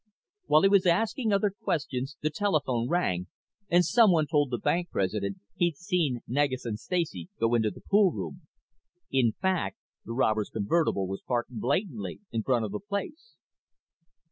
While he was asking other questions the telephone rang and someone told the bank president he'd seen Negus and Stacy go into the poolroom. In fact, the robbers' convertible was parked blatantly in front of the place.